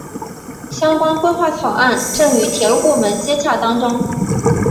相关规划草案正与铁路部门接洽当中。